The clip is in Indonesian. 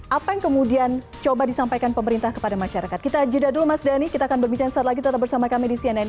apa yang kemudian coba disampaikan pemerintah kepada masyarakat kita jeda dulu mas dhani kita akan berbicara saat lagi tetap bersama kami di cnn